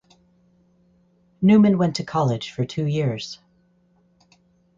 Newman went to college for two years.